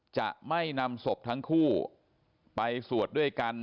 จะไม่นำศพทั้งคู่ไปสวดด้วยกัน